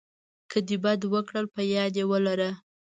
که د بد وکړل په یاد یې ولره .